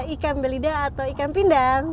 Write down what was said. ikan belida atau ikan pindang